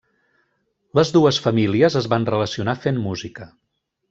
Les dues famílies es van relacionar fent música.